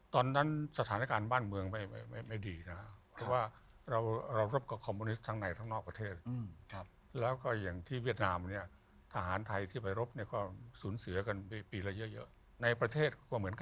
ตอนนั้นสถานการณ์บ้านเมืองไม่ดีนะครับเพราะว่าเรารบกับคอมโมนิสต์ทั้งในทั้งนอกประเทศ